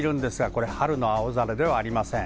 これは春の青空ではありません。